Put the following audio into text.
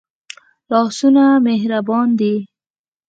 لاسونه مهربان دي